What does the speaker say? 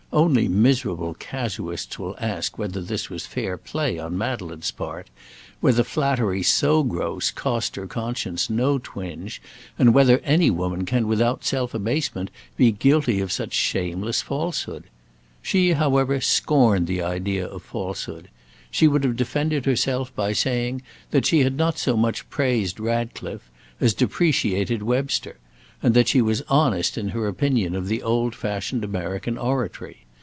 Only miserable casuists will ask whether this was fair play on Madeleine's part; whether flattery so gross cost her conscience no twinge, and whether any woman can without self abasement be guilty of such shameless falsehood. She, however, scorned the idea of falsehood. She would have defended herself by saying that she had not so much praised Ratcliffe as depreciated Webster, and that she was honest in her opinion of the old fashioned American oratory.